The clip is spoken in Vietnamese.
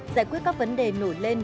giải quyết các vấn đề nổi lên